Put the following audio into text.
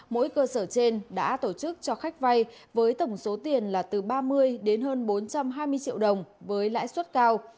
mỗi cơ sở trên đã tổ chức cho khách vay với tổng số tiền là từ ba mươi đến hơn bốn trăm hai mươi triệu đồng với lãi suất cao